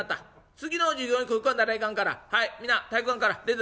次の授業に食い込んだらいかんからはい皆体育館から出た出た」。